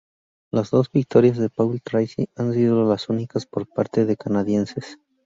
Las dos victorias de Paul Tracy han sido las únicas por parte de canadienses.